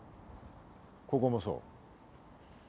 ここも、そう。